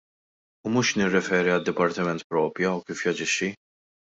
U mhux nirreferi għad-dipartiment proprja u kif jaġixxi.